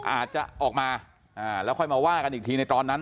อาจจะออกมาแล้วค่อยมาว่ากันอีกทีในตอนนั้น